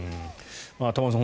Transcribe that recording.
玉川さん